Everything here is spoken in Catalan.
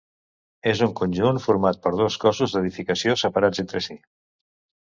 És un conjunt format per dos cossos d'edificació separats entre si.